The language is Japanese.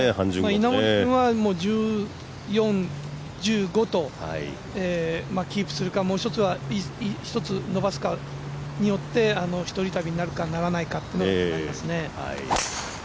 稲森君は１４、１５とキープするかもう一つ伸ばすかによって、１人旅になるかならないかというのが変わりますね。